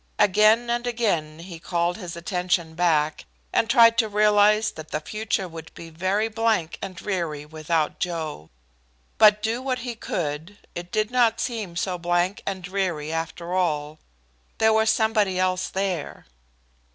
Again and again he called his attention back, and tried to realize that the future would be very blank and dreary without Joe; but do what he would, it did not seem so blank and dreary after all; there was somebody else there.